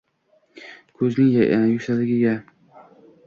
Kuzning yuksakligida